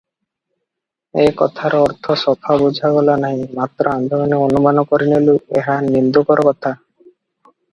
ଏ କଥାର ଅର୍ଥ ସଫା ବୁଝାଗଲା ନାହିଁ, ମାତ୍ର ଆମ୍ଭେମାନେ ଅନୁମାନ କରିନେଲୁ, ଏହା ନିନ୍ଦୁକର କଥା ।